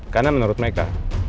karena menurut mereka